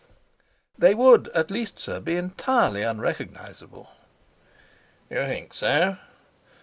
"They would, at least, sir, be entirely unrecognizable." "You think so?"